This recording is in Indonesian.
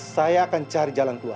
saya akan cari jalan keluar